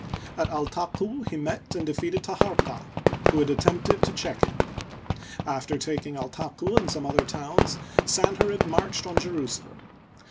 At Altaqu he met and defeated Taharqa, who had attempted to check him. After taking Altaqu and some other towns, Sanherib marched on Jerusalem.